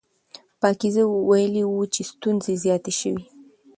پاکیزه ویلي وو چې ستونزې زیاتې شوې.